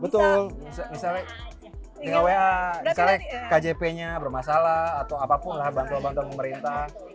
betul misalnya dengan wa misalnya kjp nya bermasalah atau apapun lah bantuan bantuan pemerintah